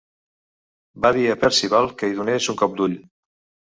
Va dir a Percival que hi donés un cop d'ull.